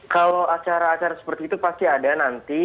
kalau acara acara seperti itu pasti ada nanti